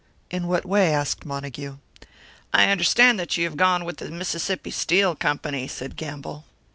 "In what way?" asked Montague. "I understand that you have gone with the Mississippi Steel Company," said Gamble.